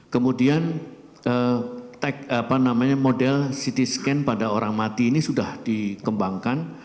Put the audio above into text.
kemudian model ct scan pada orang mati ini sudah dikembangkan